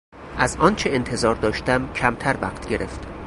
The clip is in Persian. از آنچه انتظار داشتم کمتر وقت گرفت.